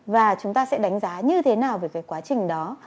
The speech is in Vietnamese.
và chúng ta sẽ đánh giá như thế nào về cái quá trình đó